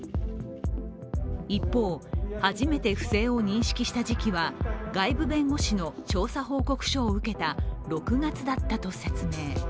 一方、初めて不正を認識した時期は外部弁護士の調査報告書を受けた６月だったと説明。